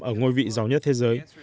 ở ngôi vị giàu nhất thế giới